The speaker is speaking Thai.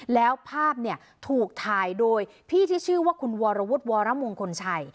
แล้วภาพเนี่ยถูกถ่ายโดยพี่ที่ชื่อว่าคุณวรวุฒิวรมงคลชัย